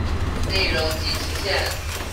內容及期限